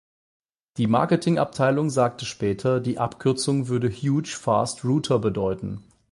Die Marketing-Abteilung sagte später, die Abkürzung würde "Huge Fast Router" bedeuten.